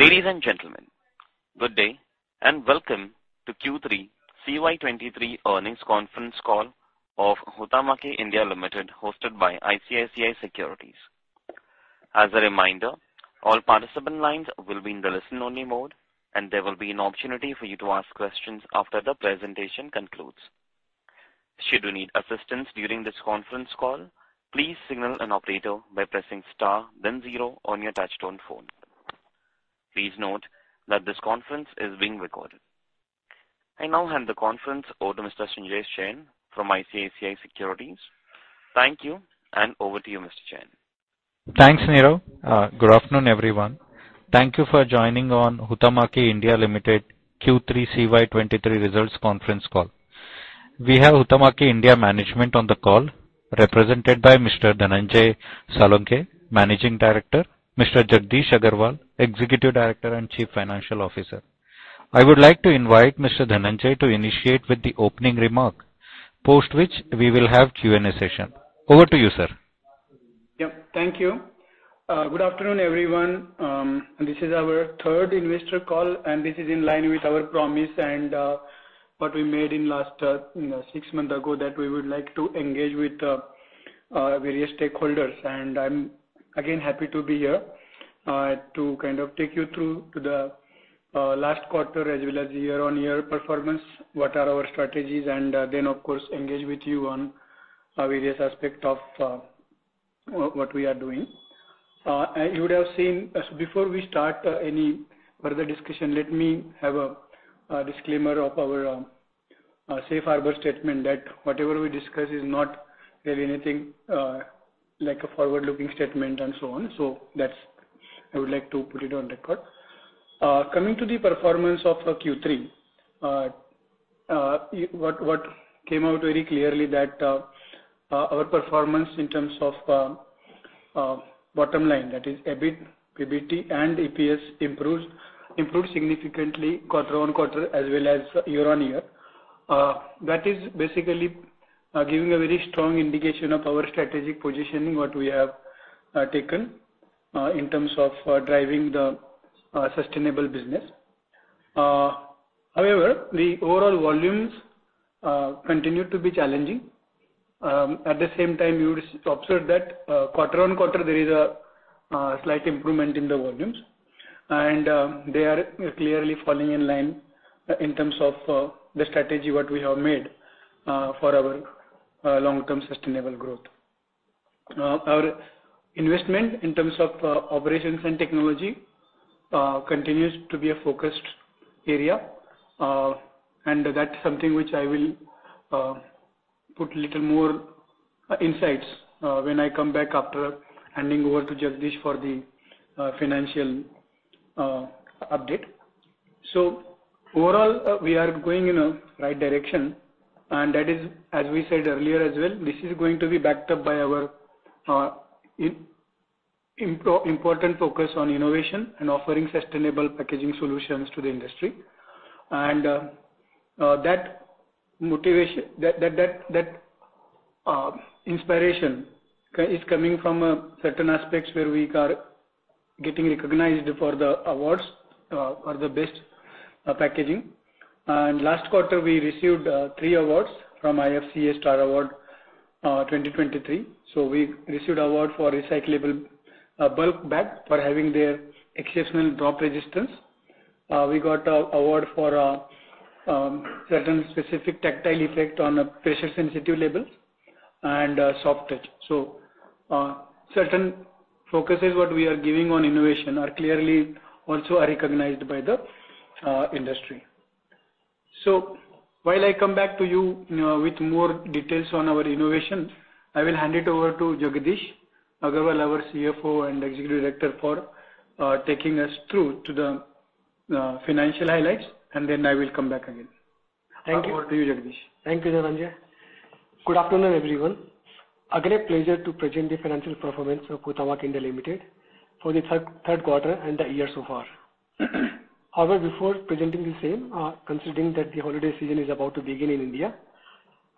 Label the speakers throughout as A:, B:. A: Ladies and gentlemen, good day, and welcome to Q3 CY 2023 earnings conference call of Huhtamaki India Limited, hosted by ICICI Securities. As a reminder, all participant lines will be in the listen-only mode, and there will be an opportunity for you to ask questions after the presentation concludes. Should you need assistance during this conference call, please signal an operator by pressing star, then zero on your touchtone phone. Please note that this conference is being recorded. I now hand the conference over to Mr. Sanjesh Jain from ICICI Securities. Thank you, and over to you, Mr. Jain.
B: Thanks, Nirav. Good afternoon, everyone. Thank you for joining on Huhtamaki India Limited Q3 CY 2023 results conference call. We have Huhtamaki India management on the call, represented by Mr. Dhananjay Salunkhe, Managing Director, Mr. Jagdish Agarwal, Executive Director and Chief Financial Officer. I would like to invite Mr. Dhananjay to initiate with the opening remark, post which we will have Q&A session. Over to you, sir.
C: Yep, thank you. Good afternoon, everyone. This is our third investor call, and this is in line with our promise and, what we made in last, you know, six months ago, that we would like to engage with, our various stakeholders. And I'm again, happy to be here, to kind of take you through to the, last quarter as well as year-on-year performance, what are our strategies, and then, of course, engage with you on, this various aspect of, what, what we are doing. And you would have seen... So before we start, any further discussion, let me have a, disclaimer of our, safe harbor statement that whatever we discuss is not really anything, like a forward-looking statement and so on. So that's, I would like to put it on record. Coming to the performance of Q3. What came out very clearly that our performance in terms of bottom line, that is, EBIT, PBT and EPS improved, improved significantly quarter-over-quarter as well as year-over-year. That is basically giving a very strong indication of our strategic positioning, what we have taken in terms of driving the sustainable business. However, the overall volumes continue to be challenging. At the same time, you would observe that quarter-over-quarter, there is a slight improvement in the volumes, and they are clearly falling in line in terms of the strategy what we have made for our long-term sustainable growth. Our investment in terms of operations and technology continues to be a focused area, and that's something which I will put little more insights when I come back after handing over to Jagdish for the financial update. Overall, we are going in a right direction, and that is, as we said earlier as well, this is going to be backed up by our important focus on innovation and offering sustainable packaging solutions to the industry. That motivation, that inspiration is coming from certain aspects where we are getting recognized for the awards for the best packaging. Last quarter, we received three awards from IFCA Star Awards 2023. We received award for recyclable bulk bag for having their exceptional drop resistance. We got an award for certain specific tactile effect on pressure-sensitive labels and soft touch. So, certain focuses what we are giving on innovation are clearly also are recognized by the industry. So while I come back to you with more details on our innovation, I will hand it over to Jagdish Agarwal, our CFO and Executive Director, for taking us through the financial highlights, and then I will come back again.
D: Thank you.
C: Over to you, Jagdish.
E: Thank you, Dhananjay. Good afternoon, everyone. Again, a pleasure to present the financial performance of Huhtamaki India Limited for the third, third quarter and the year so far. However, before presenting the same, considering that the holiday season is about to begin in India,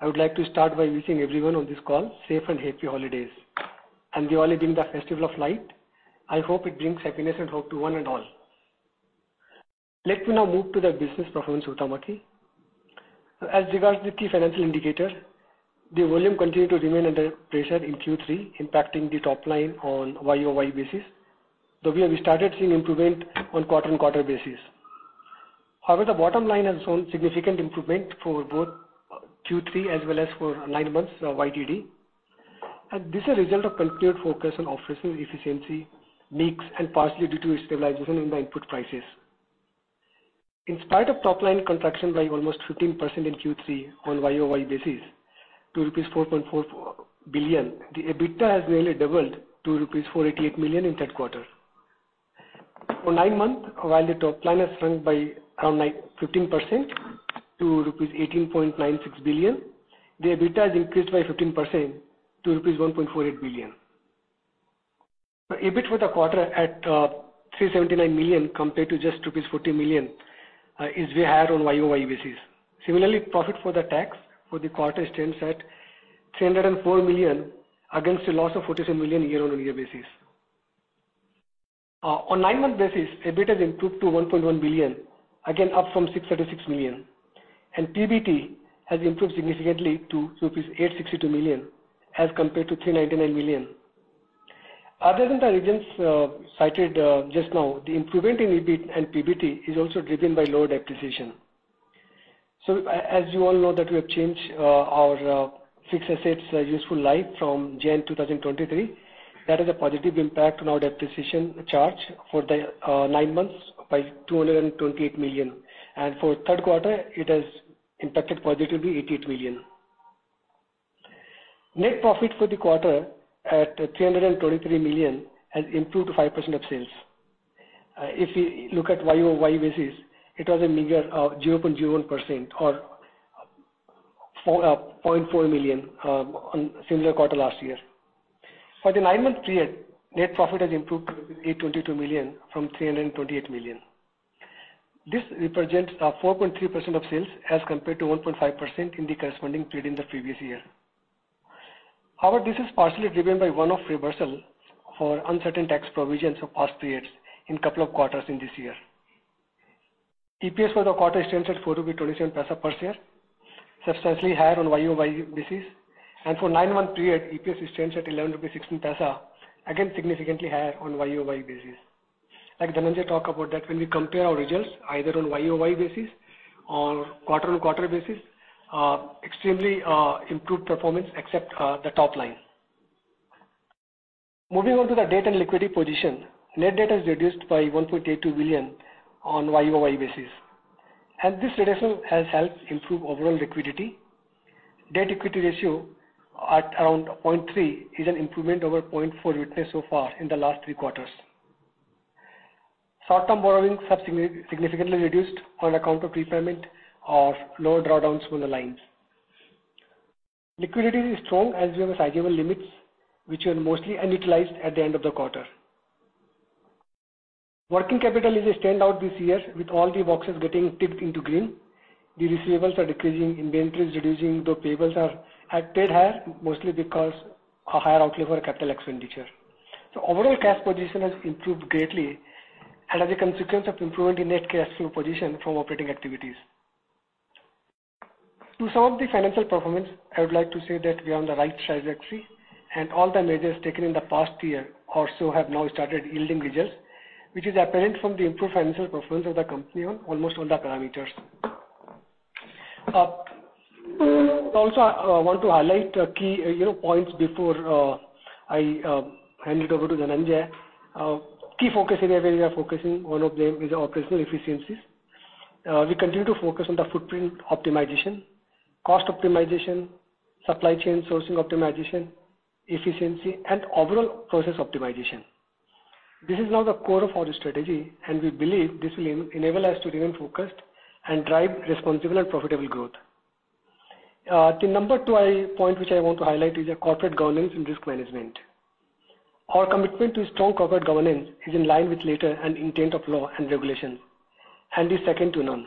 E: I would like to start by wishing everyone on this call safe and happy holidays. We are ending the festival of light, I hope it brings happiness and hope to one and all. Let me now move to the business performance of Huhtamaki. As regards the key financial indicator, the volume continued to remain under pressure in Q3, impacting the top line on YoY basis, though we have started seeing improvement on quarter-on-quarter basis. However, the bottom line has shown significant improvement for both Q3 as well as for nine months, YTD.
D: This is a result of continued focus on operational efficiency, mix, and partially due to stabilization in the input prices. In spite of top line contraction by almost 15% in Q3 on YoY basis to rupees 4.44 billion, the EBITDA has nearly doubled to rupees 488 million in third quarter. For nine months, while the top line has shrunk by around 15% to rupees 18.96 billion, the EBITDA has increased by 15% to rupees 1.48 billion. EBIT for the quarter at 379 million, compared to just rupees 40 million is what we had on YoY basis. Similarly, profit for the tax for the quarter stands at 304 million, against a loss of 47 million year-on-year basis. On nine-month basis, EBIT has improved to 1.1 billion, again, up from 636 million, and PBT has improved significantly to rupees 862 million, as compared to 399 million. Other than the reasons cited just now, the improvement in EBIT and PBT is also driven by lower depreciation. So as you all know, that we have changed our fixed assets useful life from January 2023. That is a positive impact on our depreciation charge for the nine months by 228 million. And for third quarter, it has impacted positively 88 million. Net profit for the quarter at 323 million has improved to 5% of sales. If we look at YoY basis, it was a meager 0.01%, or four...0.4 million on similar quarter last year. For the nine-month period, net profit has improved to 822 million from 328 million. This represents 4.3% of sales, as compared to 1.5% in the corresponding period in the previous year. However, this is partially driven by one-off reversal for uncertain tax provisions of past periods in couple of quarters in this year. EPS for the quarter stands at 4.27 rupees per share, substantially higher on YoY basis. And for nine-month period, EPS stands at 11.16 rupees, again, significantly higher on YoY basis. Like Dhananjay talked about that when we compare our results either on YoY basis or quarter-over-quarter basis, extremely improved performance, except the top line. Moving on to the debt and liquidity position, net debt has reduced by 1.82 billion on YoY basis. This reduction has helped improve overall liquidity. Debt equity ratio at around 0.3% is an improvement over 0.4% witnessed so far in the last three quarters. Short-term borrowings have significantly reduced on account of prepayment or lower drawdowns from the lines. Liquidity is strong as we have sizable limits, which were mostly unutilized at the end of the quarter. Working capital is a standout this year, with all the boxes getting ticked into green. The receivables are decreasing, inventories reducing, the payables are a bit higher, mostly because a higher outlay for our capital expenditure. Overall, cash position has improved greatly and as a consequence of improving the net cash flow position from operating activities. To sum up the financial performance, I would like to say that we are on the right trajectory, and all the measures taken in the past year or so have now started yielding results, which is apparent from the improved financial performance of the company on almost all the parameters. Also, I want to highlight a key, you know, points before I hand it over to Dhananjay. Key focus area, where we are focusing, one of them is operational efficiencies. We continue to focus on the footprint optimization, cost optimization, supply chain sourcing optimization, efficiency, and overall process optimization. This is now the core of our strategy, and we believe this will enable us to remain focused and drive responsible and profitable growth. The number two point which I want to highlight is corporate governance and risk management. Our commitment to strong corporate governance is in line with letter and intent of law and regulation, and is second to none.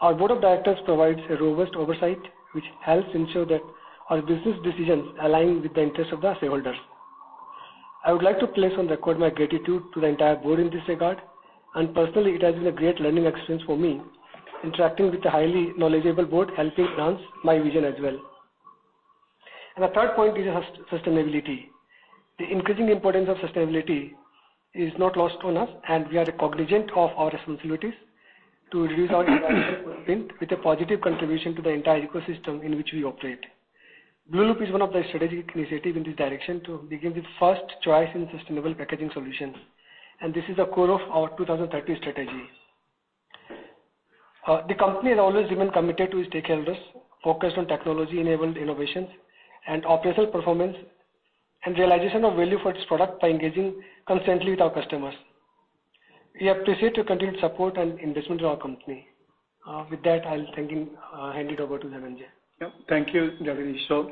D: Our board of directors provides a robust oversight, which helps ensure that our business decisions align with the interests of the shareholders. I would like to place on record my gratitude to the entire board in this regard, and personally, it has been a great learning experience for me, interacting with the highly knowledgeable board, helping enhance my vision as well. And the third point is sustainability. The increasing importance of sustainability is not lost on us, and we are cognizant of our responsibilities to reduce our footprint with a positive contribution to the entire ecosystem in which we operate. Blueloop is one of the strategic initiative in this direction to become the first choice in sustainable packaging solutions, and this is a core of our 2030 strategy. The company has always remained committed to its stakeholders, focused on technology-enabled innovations and operational performance, and realization of value for its product by engaging constantly with our customers. We appreciate your continued support and investment in our company. With that, I'll thank you, hand it over to Dhananjay.
C: Yeah. Thank you, Jagdish. So,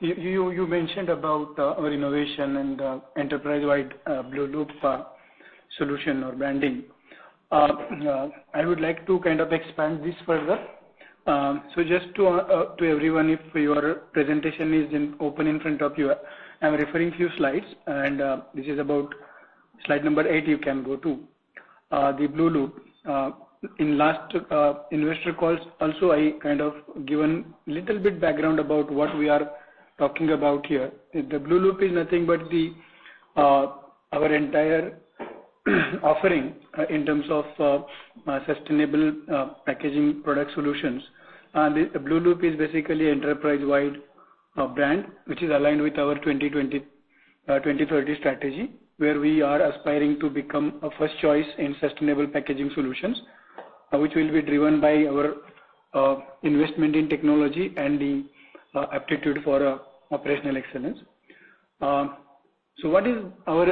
C: you mentioned about our innovation and enterprise-wide blueloop solution or branding. I would like to kind of expand this further. Just to everyone, if your presentation is open in front of you, I'm referring to a few slides, and this is about slide number eight you can go to. The Huhtamaki blueloop. In last investor calls, also, I kind of given a little bit background about what we are talking about here. The Huhtamaki blueloop is nothing but our entire offering in terms of sustainable packaging product solutions. The Huhtamaki blueloop is basically an enterprise-wide brand, which is aligned with our 2020-2030 strategy, where we are aspiring to become a first choice in sustainable packaging solutions, which will be driven by our investment in technology and the aptitude for operational excellence. What is our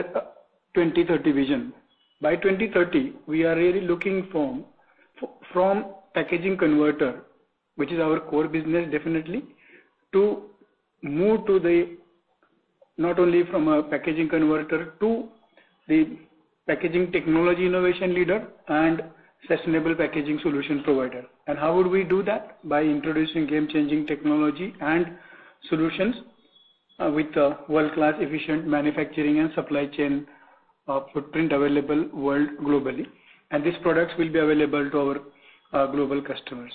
C: 2030 vision? By 2030, we are really looking from, from packaging converter, which is our core business, definitely, to move to the... not only from a packaging converter to the packaging technology innovation leader and sustainable packaging solution provider. How would we do that? By introducing game-changing technology and solutions with a world-class efficient manufacturing and supply chain footprint available world globally. These products will be available to our global customers.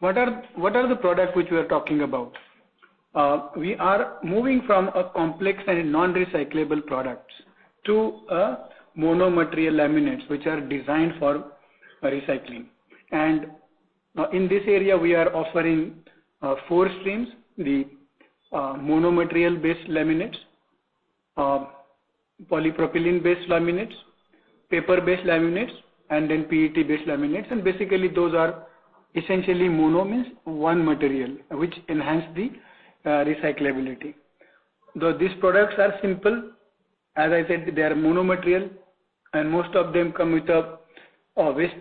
C: What are, what are the products which we are talking about? We are moving from a complex and non-recyclable products to a mono-material laminates, which are designed for recycling. In this area, we are offering four streams: the mono-material-based laminates, polypropylene-based laminates, paper-based laminates, and then PET-based laminates. Basically, those are essentially mono, means one material, which enhance the recyclability. Though these products are simple, as I said, they are mono-material, and most of them come with a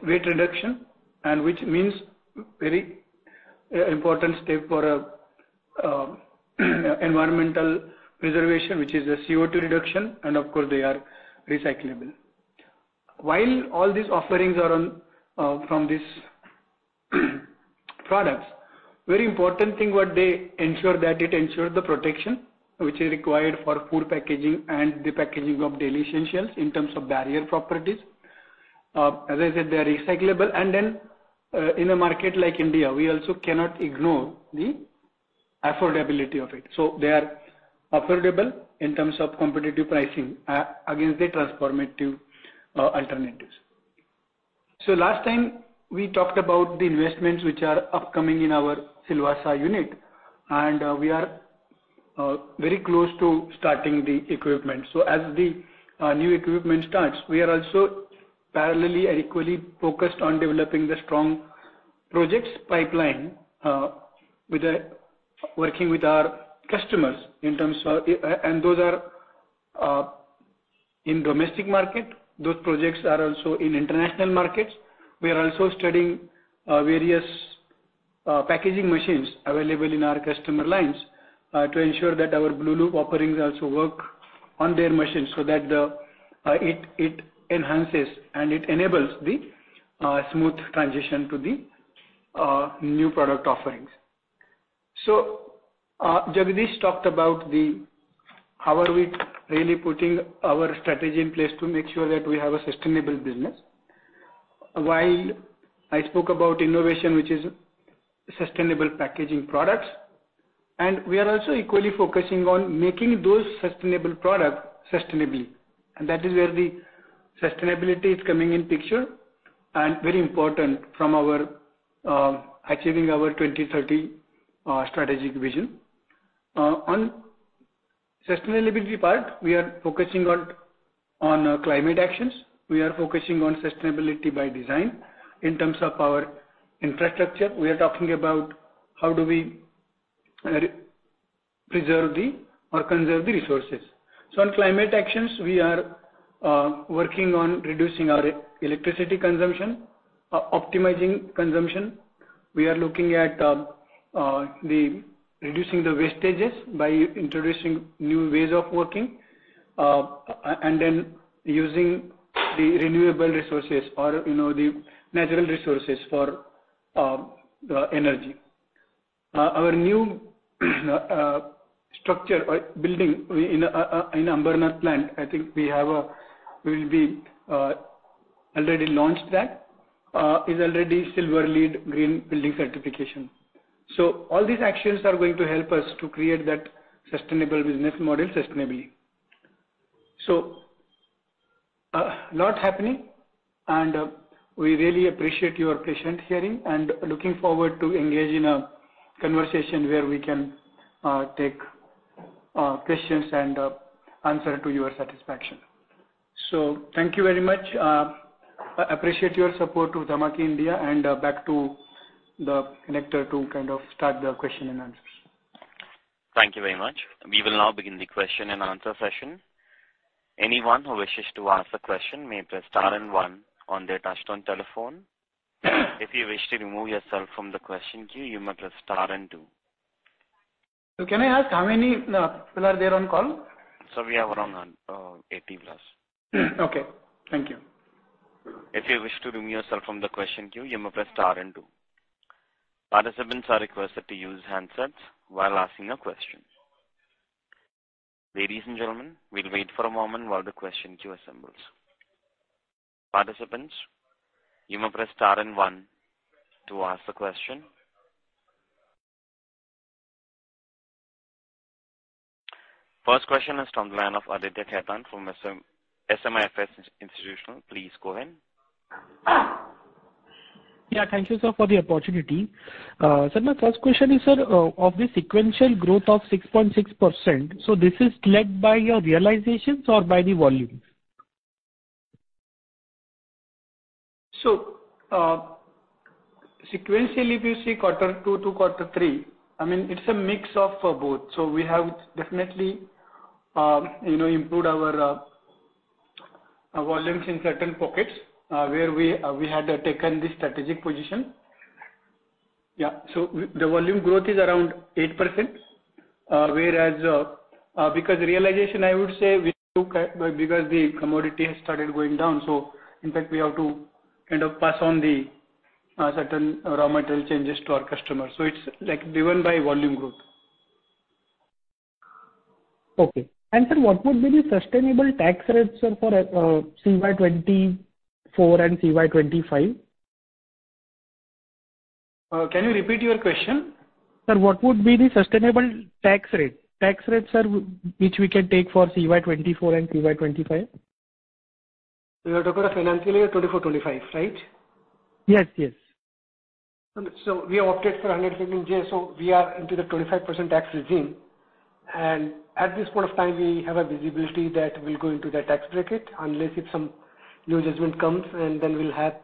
C: weight reduction, and which means very important step for environmental preservation, which is a CO2 reduction, and of course, they are recyclable. While all these offerings are on from these products, very important thing what they ensure that it ensures the protection, which is required for food packaging and the packaging of daily essentials in terms of barrier properties. As I said, they are recyclable, and then in a market like India, we also cannot ignore the affordability of it. So they are affordable in terms of competitive pricing against the transformative alternatives. So last time, we talked about the investments which are upcoming in our Silvassa unit, and we are very close to starting the equipment. So as the new equipment starts, we are also parallelly and equally focused on developing the strong projects pipeline, working with our customers in terms of... and those are in domestic market. Those projects are also in international markets. We are also studying various packaging machines available in our customer lines to ensure that our blueloop offerings also work on their machines, so that it enhances and it enables the smooth transition to the new product offerings. So, Jagdish talked about how we are really putting our strategy in place to make sure that we have a sustainable business. While I spoke about innovation, which is sustainable packaging products, and we are also equally focusing on making those sustainable products sustainably. That is where the sustainability is coming in picture, and very important from our achieving our 2030 strategic vision. On sustainability part, we are focusing on, on, climate actions. We are focusing on sustainability by design. In terms of our infrastructure, we are talking about how do we preserve or conserve the resources. So on climate actions, we are working on reducing our electricity consumption, optimizing consumption. We are looking at the reducing the wastages by introducing new ways of working, and then using the renewable resources or, you know, the natural resources for the energy. Our new structure or building in Ambernath plant, I think we have, we will be already launched that is already Silver LEED green building certification. So all these actions are going to help us to create that sustainable business model sustainably. So, a lot happening, and, we really appreciate your patience hearing and looking forward to engaging a conversation where we can, take, questions and, answer to your satisfaction. So thank you very much. I appreciate your support to Huhtamaki India, and, back to Sanjesh to kind of start the question and answers.
A: Thank you very much. We will now begin the question and answer session. Anyone who wishes to ask a question may press star and one on their touchtone telephone. If you wish to remove yourself from the question queue, you may press star and two.
C: Can I ask, how many people are there on call?
A: Sir, we have around 80+.
C: Okay. Thank you.
A: If you wish to remove yourself from the question queue, you may press star and two. Participants are requested to use handsets while asking a question. Ladies and gentlemen, we'll wait for a moment while the question queue assembles. Participants, you may press star and one to ask the question. First question is from the line of Aditya Khetan from SMIFS Institutional. Please go ahead.
F: Yeah, thank you, sir, for the opportunity. Sir, my first question is, sir, of the sequential growth of 6.6%, so this is led by your realizations or by the volumes?
C: So, sequentially, if you see quarter two to quarter three, I mean, it's a mix of both. So we have definitely, you know, improved our volumes in certain pockets, where we had taken this strategic position. Yeah, so the volume growth is around 8%, whereas because realization, I would say, we took, because the commodity has started going down. So in fact, we have to kind of pass on the certain raw material changes to our customers. So it's, like, driven by volume growth.
F: Okay. And sir, what would be the sustainable tax rates for CY 2024 and CY 2025?
C: Can you repeat your question?
F: Sir, what would be the sustainable tax rate? Tax rates, sir, which we can take for CY 2024 and CY 2025.
C: You are talking of financial year 2024, 2025, right?
F: Yes. Yes.
C: We opted for 100% JS, so we are into the 25% tax regime. At this point of time, we have a visibility that we'll go into the tax bracket, unless if some new judgment comes, and then we'll have,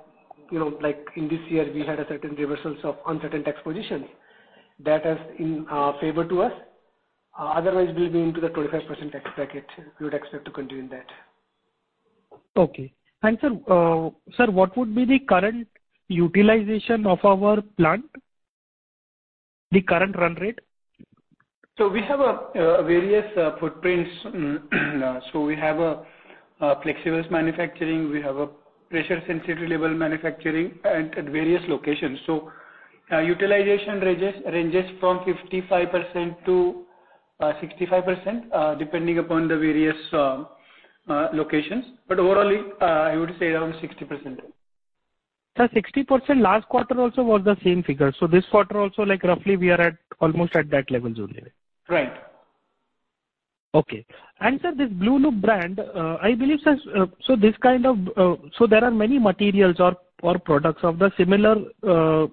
C: you know, like in this year, we had a certain reversals of uncertain tax position. That is in favor to us. Otherwise, we'll be into the 25% tax bracket. We would expect to continue that.
F: Okay. Sir, sir, what would be the current utilization of our plant, the current run rate?
C: We have various footprints. We have a flexibles manufacturing, we have a pressure-sensitive label manufacturing and at various locations. Utilization ranges from 55%-65%, depending upon the various locations. But overall, I would say around 60%.
F: Sir, 60% last quarter also was the same figure. This quarter also, like, roughly, we are at almost at that level only.
C: Right.
F: Okay. And, sir, this blueloop brand, I believe, sir, so this kind of... So there are many materials or products of the similar,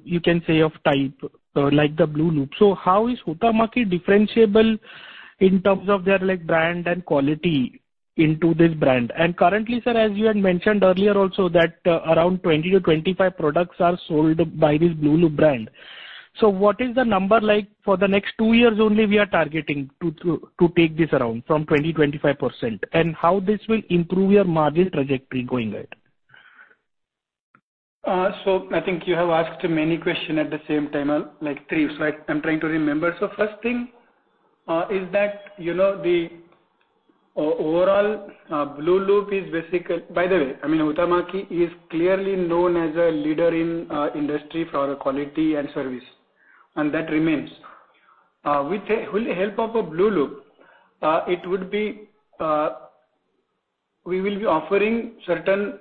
F: you can say, of type, like the blueloop. So how is Huhtamaki differentiable in terms of their, like, brand and quality into this brand? And currently, sir, as you had mentioned earlier also, that around 20%-25% products are sold by this blueloop brand. So what is the number like for the next two years only we are targeting to take this around from 20%-25%? And how this will improve your margin trajectory going ahead.
C: So I think you have asked many question at the same time, like three, so I'm trying to remember. So first thing is that, you know, the overall blueloop is basically... By the way, I mean, Huhtamaki is clearly known as a leader in industry for quality and service, and that remains. With the help of a blueloop, it would be, we will be offering certain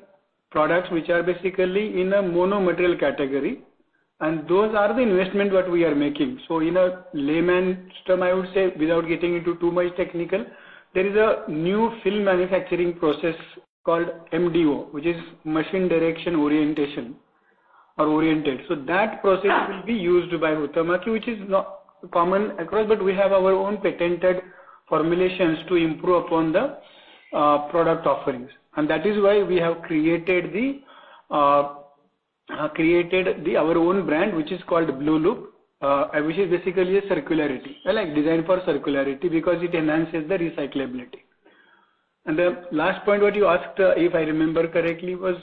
C: products which are basically in a mono-material category, and those are the investment that we are making. So in a layman's term, I would say, without getting into too much technical, there is a new film manufacturing process called MDO, which is machine direction orientation or oriented. So that process will be used by Huhtamaki, which is not common across, but we have our own patented formulations to improve upon the product offerings. And that is why we have created our own brand, which is called blueloop, which is basically a circularity like designed for circularity, because it enhances the recyclability. And the last point what you asked, if I remember correctly, was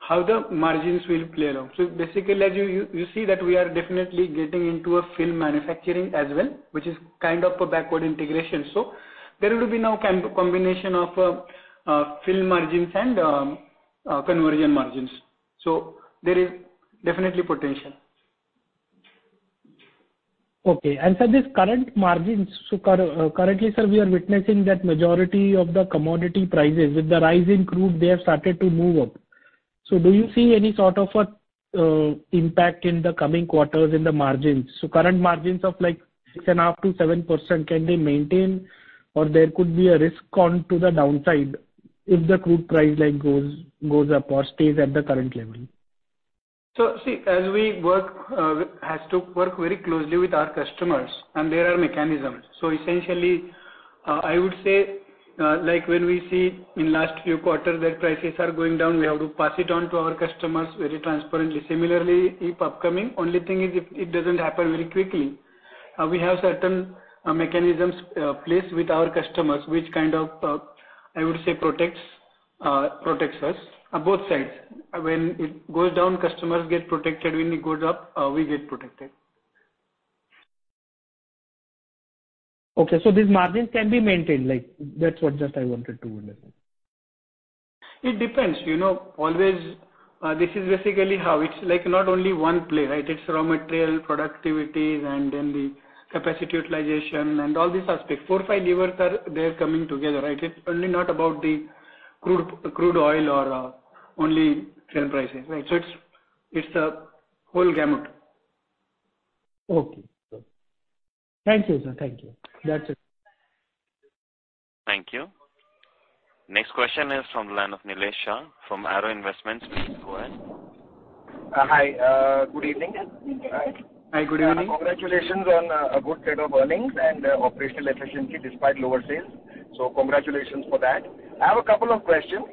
C: how the margins will play along. So basically, as you see that we are definitely getting into a film manufacturing as well, which is kind of a backward integration. So there will be no combination of film margins and conversion margins. So there is definitely potential.
F: Okay. And sir, this current margins, so currently, sir, we are witnessing that majority of the commodity prices, with the rise in crude, they have started to move up. So do you see any sort of a impact in the coming quarters in the margins? So current margins of, like, 6.5%-7%, can they maintain, or there could be a risk on to the downside if the crude price, like, goes up or stays at the current level?
C: So, see, as we work, has to work very closely with our customers, and there are mechanisms. So essentially, I would say, like when we see in last few quarters, that prices are going down, we have to pass it on to our customers very transparently. Similarly, if upcoming, only thing is it, it doesn't happen very quickly. We have certain, mechanisms, placed with our customers, which kind of, I would say, protects, protects us on both sides. When it goes down, customers get protected. When it goes up, we get protected.
F: Okay, so these margins can be maintained, like, that's what just I wanted to understand.
C: It depends, you know, always, this is basically how it's like, not only one play, right? It's raw material, productivity, and then the capacity utilization and all these aspects. Four, five levers are—they're coming together, right? It's only not about the crude, crude oil or, only sale prices, right? So it's, it's a whole gamut.
F: Okay. Thank you, sir. Thank you. That's it.
A: Thank you. Next question is from the line of Nilesh Shah from Arrow Investments. Please go ahead.
G: Hi, good evening.
C: Hi, good evening.
G: Congratulations on a good set of earnings and operational efficiency despite lower sales. So congratulations for that. I have a couple of questions.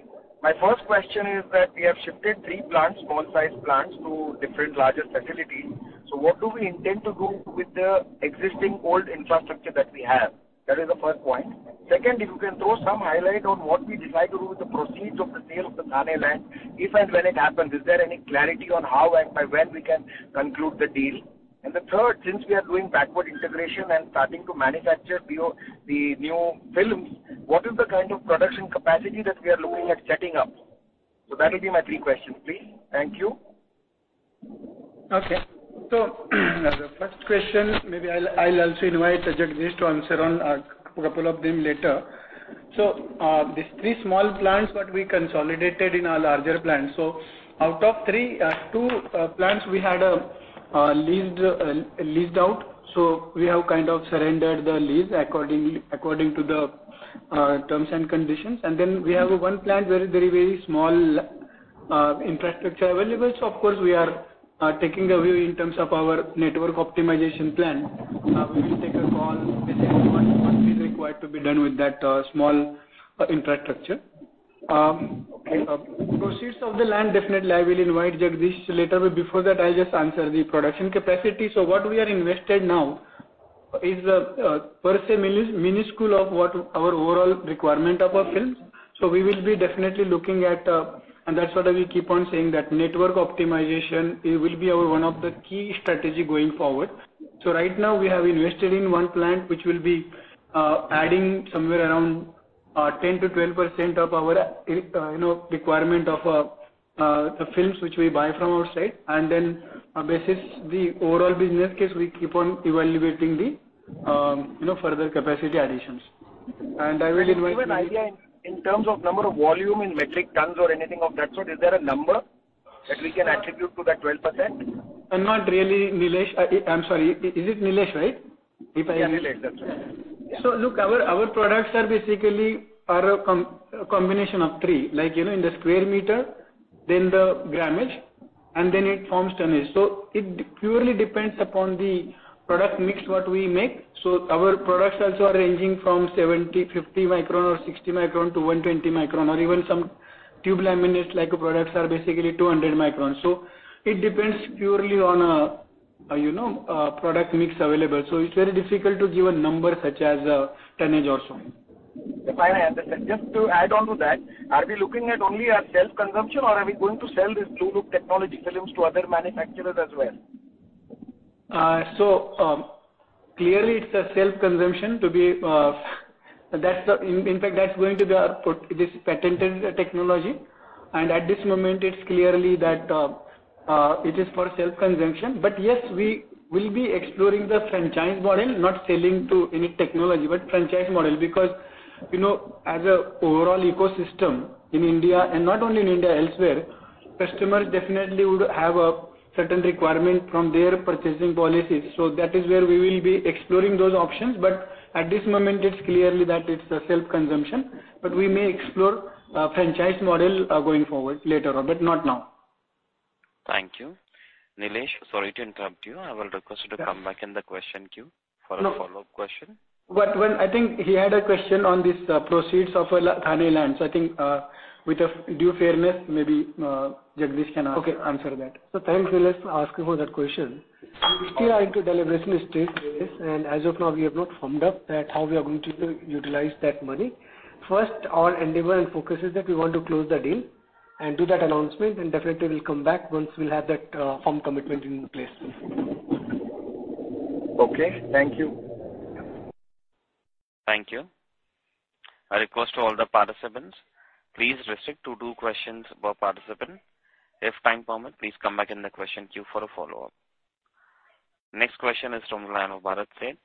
G: My first question is that we have shifted three plants, small size plants, to different larger facilities. So what do we intend to do with the existing old infrastructure that we have? That is the first point. Second, if you can throw some highlight on what we decide to do with the proceeds of the sale of the Thane land, if and when it happens. Is there any clarity on how and by when we can conclude the deal? And the third, since we are doing backward integration and starting to manufacture the new films, what is the kind of production capacity that we are looking at setting up? So that will be my three questions, please. Thank you.
C: Okay. So the first question, maybe I'll also invite Jagdish to answer on a couple of them later. So, these three small plants that we consolidated in our larger plant. So out of three, two plants we had leased out, so we have kind of surrendered the lease accordingly according to the terms and conditions. And then we have one plant, very, very, very small infrastructure available. So of course, we are taking a view in terms of our network optimization plan. We will take a call, what is required to be done with that small infrastructure. Proceeds of the land, definitely, I will invite Jagdish later, but before that, I'll just answer the production capacity. So what we have invested now is, per se, minuscule of what our overall requirement of our films. So we will be definitely looking at, and that's what I will keep on saying, that network optimization, it will be our one of the key strategy going forward. So right now, we have invested in one plant, which will be, adding somewhere around, 10%-12% of our, you know, requirement of, the films which we buy from outside. And then, on basis the overall business case, we keep on evaluating the, you know, further capacity additions. And I will invite you-
G: Give an idea in terms of number of volume in metric tons or anything of that sort. Is there a number that we can attribute to that 12%?
C: Not really, Nilesh. I, I'm sorry, is it Nilesh, right? If I-
G: Yeah, Nilesh, that's right.
C: So look, our products are basically a combination of three, like, you know, in the square meter, then the grammage, and then it forms tonnage. So it purely depends upon the product mix, what we make. So our products also are ranging from 70 micron, 50 micron or 60 micron to 120 micron, or even some tube laminates like products are basically 200 microns. So it depends purely on, you know, product mix available. So it's very difficult to give a number such as tonnage or so.
G: Fine, I understand. Just to add on to that, are we looking at only our self-consumption, or are we going to sell this blueloop technology films to other manufacturers as well?
C: So, clearly it's a self-consumption to be. That's—in fact, that's going to be our put, this patented technology. And at this moment, it's clearly that it is for self-consumption. But yes, we will be exploring the franchise model, not selling to any technology, but franchise model. Because, you know, as a overall ecosystem in India, and not only in India, elsewhere, customers definitely would have a certain requirement from their purchasing policies. So that is where we will be exploring those options. But at this moment, it's clearly that it's a self-consumption, but we may explore a franchise model going forward later on, but not now.
A: Thank you. Nilesh, sorry to interrupt you. I will request you to come back in the question queue for a follow-up question.
C: But I think he had a question on this, proceeds of Thane land. So I think, with a due fairness, maybe Jagdish can answer that.
D: Okay. So thanks, Nilesh, for asking for that question. We still are into deliberation state, and as of now, we have not firmed up that how we are going to utilize that money. First, our endeavor and focus is that we want to close the deal and do that announcement, and definitely we'll come back once we'll have that, firm commitment in place.
G: Okay. Thank you.
A: Thank you. I request to all the participants, please restrict to two questions per participant. If time permit, please come back in the question queue for a follow-up. Next question is from Bharat Sheth,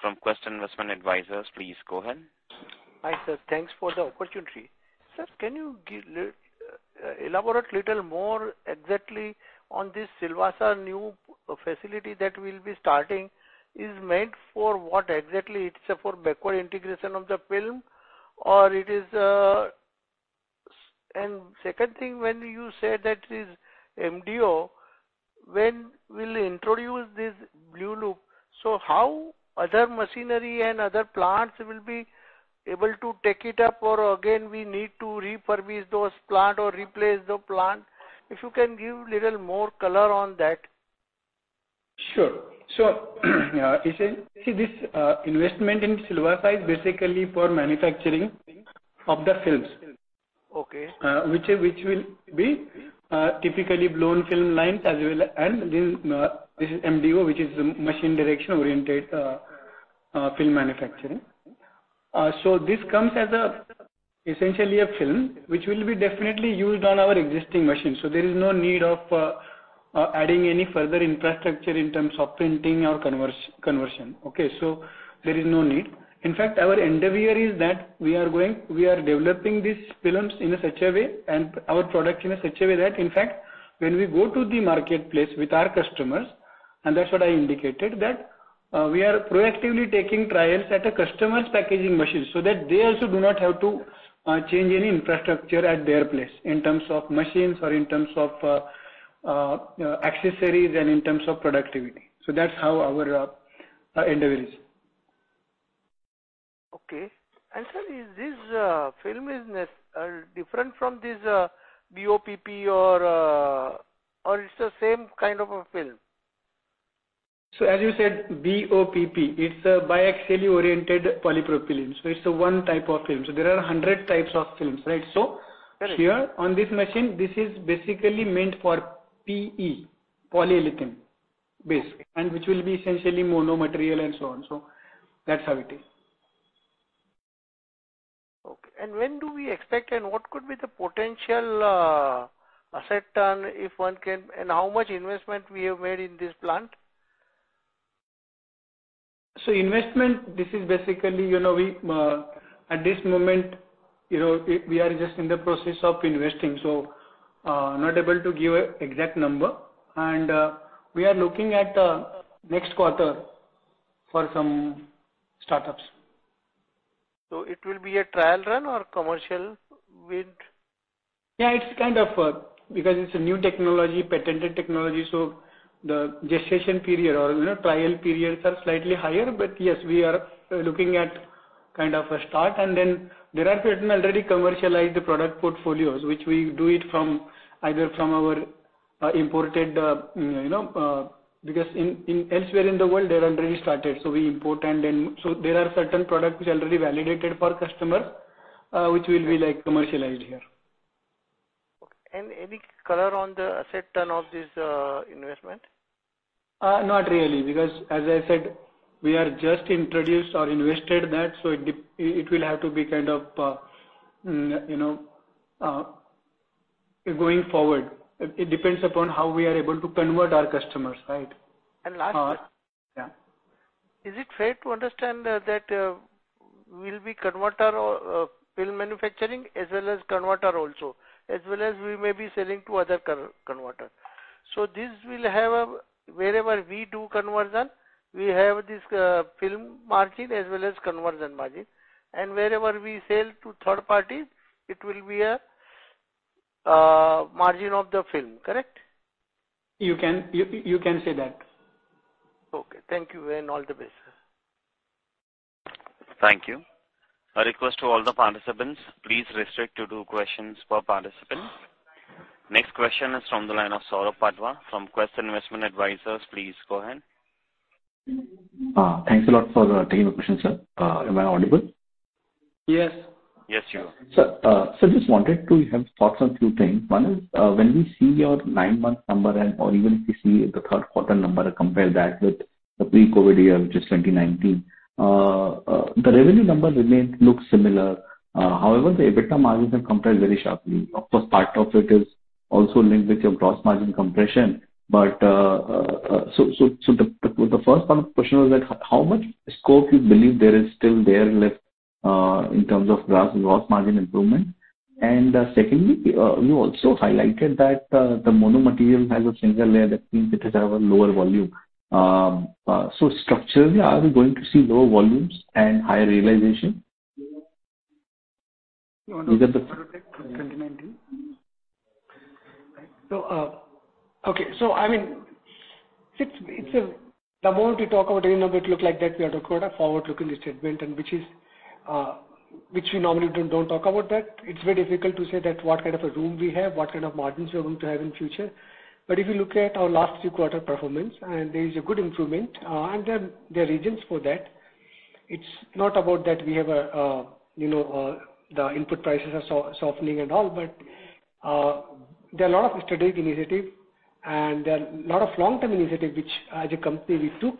A: from Quest Investment Advisors. Please go ahead.
H: Hi, sir. Thanks for the opportunity. Sir, can you give, elaborate little more exactly on this Silvassa new facility that we'll be starting, is meant for what exactly? It's, for backward integration of the film or it is... And second thing, when you say that is MDO, when we'll introduce this blueloop, so how other machinery and other plants will be able to take it up, or again, we need to refurbish those plant or replace the plant? If you can give little more color on that.
C: Sure. So, you see this investment in Silvassa is basically for manufacturing of the films.
H: Okay.
C: Which will be typically blown film lines as well, and this is MDO, which is Machine Direction Oriented film manufacturing. So this comes as essentially a film, which will be definitely used on our existing machines. So there is no need of adding any further infrastructure in terms of printing or conversion. Okay, so there is no need. In fact, our endeavor is that we are going, we are developing these films in such a way, and our product in such a way that, in fact, when we go to the marketplace with our customers, and that's what I indicated, that we are proactively taking trials at a customer's packaging machine, so that they also do not have to change any infrastructure at their place in terms of machines or in terms of accessories and in terms of productivity. So that's how our endeavor is.
H: Okay. Sir, is this film necessarily different from this BOPP or it's the same kind of a film?
C: As you said, BOPP, it's a biaxially oriented polypropylene. It's a one type of film. There are 100 types of films, right? So-
H: Right.
C: Here, on this machine, this is basically meant for PE, polyethylene, basic, and which will be essentially mono-material and so on. So that's how it is.
H: Okay. And when do we expect, and what could be the potential, asset turn, if one can and how much investment we have made in this plant?
C: So, investment, this is basically, you know, we at this moment, you know, we are just in the process of investing, so not able to give an exact number. We are looking at next quarter for some startups.
H: So it will be a trial run or commercial with?
C: Yeah, it's kind of because it's a new technology, patented technology, so the gestation period or, you know, trial periods are slightly higher. But yes, we are looking at kind of a start. And then there are certain already commercialized product portfolios, which we do it from either from our imported, you know, because in, in elsewhere in the world, they're already started, so we import and then... So there are certain products which are already validated for customer, which will be, like, commercialized here.
H: Okay. Any color on the asset turn of this investment?
C: Not really, because as I said, we are just introduced or invested that, so it will have to be kind of, you know, going forward. It depends upon how we are able to convert our customers, right?
H: And last- Is it fair to understand that we'll be converter or film manufacturing as well as converter also, as well as we may be selling to other converter? So this will have a, wherever we do conversion, we have this film margin as well as conversion margin. And wherever we sell to third parties, it will be a margin of the film, correct?
C: You can say that.
H: Okay. Thank you, and all the best, sir.
A: Thank you. A request to all the participants, please restrict to two questions per participant. Next question is from the line of Saurabh Patwa from Quest Investment Advisors. Please go ahead.
I: Thanks a lot for taking the question, sir. Am I audible?
C: Yes.
A: Yes, you are.
I: Sir, so just wanted to have thoughts on a few things. One is, when we see your nine-month number and or even if we see the third quarter number and compare that with the pre-COVID year, which is 2019, the revenue number remains, looks similar. However, the EBITDA margins have compressed very sharply. Of course, part of it is also linked with your gross margin compression. But, so the first part of the question was that, how much scope you believe there is still left, in terms of gross margin improvement? And, secondly, you also highlighted that, the mono-material has a single layer. That means it has have a lower volume. So structurally, are we going to see lower volumes and higher realization?
C: 2019. So, okay. So I mean, it's, it's a the more we talk about it, you know, it look like that we are talking about a forward-looking statement, and which is, which we normally don't, don't talk about that. It's very difficult to say that what kind of a room we have, what kind of margins we are going to have in future. But if you look at our last three quarter performance, and there is a good improvement, and there, there are reasons for that. It's not about that we have a, you know, the input prices are so softening and all, but, there are a lot of strategic initiatives and there are a lot of long-term initiatives which as a company we took,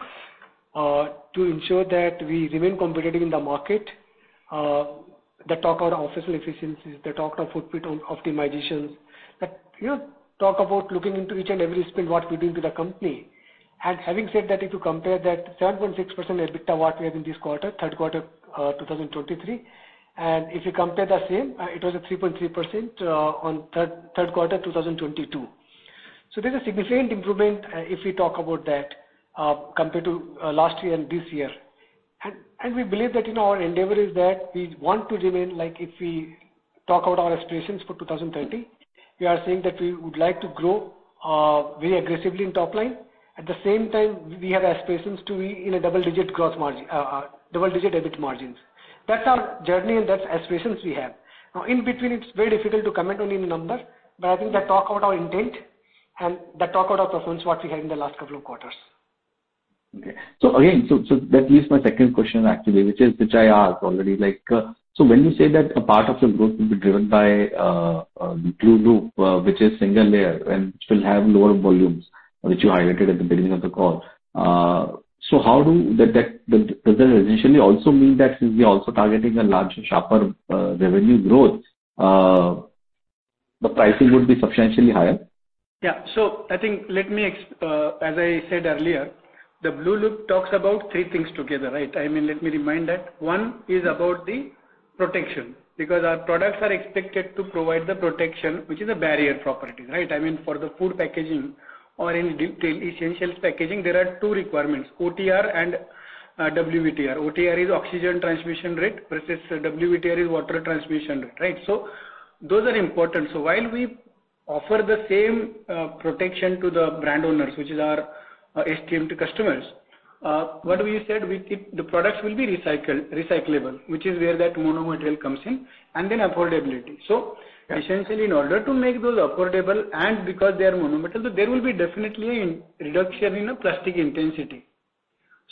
C: to ensure that we remain competitive in the market. The talk on official efficiencies, the talk on footprint on optimizations, that, you know, talk about looking into each and every spend, what we do to the company. And having said that, if you compare that 7.6% EBITDA, what we have in this quarter, third quarter, 2023, and if you compare the same, it was a 3.3%, on third, third quarter, 2022. So there's a significant improvement, if we talk about that, compared to, last year and this year. And, and we believe that, you know, our endeavor is that we want to remain, like if we talk about our aspirations for 2020, we are saying that we would like to grow, very aggressively in top line. At the same time, we have aspirations to be in a double-digit growth margin, double-digit EBIT margins. That's our journey, and that's aspirations we have. Now, in between, it's very difficult to comment on any number, but I think that talk about our intent and that talk about our performance, what we have in the last couple of quarters.
I: Okay. So again, so that leads my second question actually, which is, which I asked already. Like, so when you say that a part of the growth will be driven by blueloop, which is single layer and which will have lower volumes, which you highlighted at the beginning of the call, so does that essentially also mean that since we are also targeting a larger, sharper revenue growth, the pricing would be substantially higher?
C: Yeah. So I think, let me, as I said earlier, the blueloop talks about three things together, right? I mean, let me remind that. One is about the protection, because our products are expected to provide the protection, which is a barrier property, right? I mean, for the food packaging or in detail essentials packaging, there are two requirements, OTR and, WVTR. OTR is oxygen transmission rate, versus WVTR is water vapor transmission rate, right? So those are important. So while we offer the same protection to the brand owners, which is our esteemed customers. What we said, we keep the products will be recycled, recyclable, which is where that mono-material comes in, and then affordability. So essentially, in order to make those affordable and because they are mono-material, there will be definitely a reduction in the plastic intensity.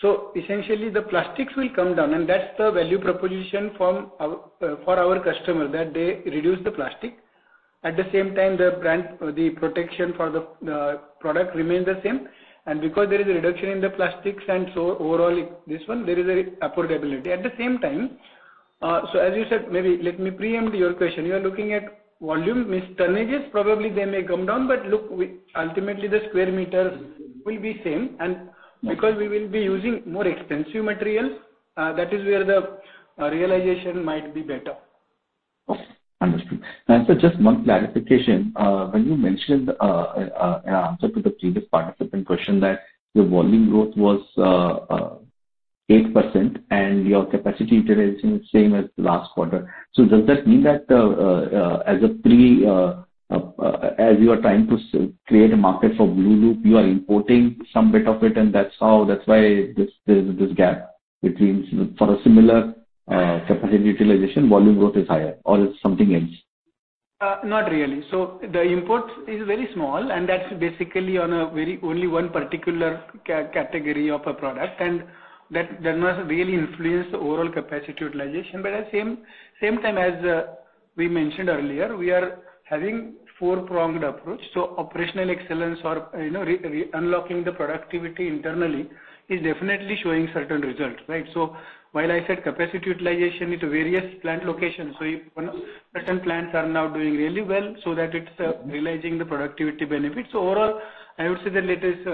C: So essentially, the plastics will come down, and that's the value proposition from our—for our customer, that they reduce the plastic. At the same time, the brand, the protection for the product remains the same. And because there is a reduction in the plastics, and so overall, this one, there is a affordability. At the same time, so as you said, maybe let me preempt your question. You are looking at volume, tonnages, probably they may come down, but look, we ultimately the square meters will be same. And because we will be using more extensive materials, that is where the realization might be better.
I: Understood. And so just one clarification, when you mentioned, in answer to the previous participant question, that your volume growth was 8% and your capacity utilization is same as last quarter. So does that mean that, as you are trying to create a market for blueloop, you are importing some bit of it, and that's how, that's why this, there is this gap between... For a similar, capacity utilization, volume growth is higher or it's something else?
C: Not really. So the import is very small, and that's basically on a very only one particular category of a product, and that does not really influence the overall capacity utilization. But at the same time, as we mentioned earlier, we are having four-pronged approach. So operational excellence or, you know, re-unlocking the productivity internally is definitely showing certain results, right? So while I said capacity utilization into various plant locations, so if, you know, certain plants are now doing really well, so that it's realizing the productivity benefits. So overall, I would say the latest